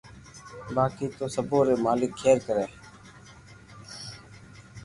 باقي تو سبو ري مالڪ کير ڪري